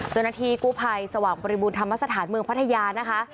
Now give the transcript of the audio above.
จุฆนาทีกุภัยสว่างบริบุณธรรมสถานเมืองพัทยานะคะ